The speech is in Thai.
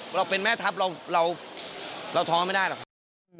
เพราะผมเป็นแม่ทัพเราท้อไม่ได้ละครับ